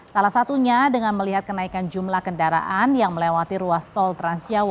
salah satunya dengan melihat kenaikan jumlah kendaraan yang melewati ruas tol transjawa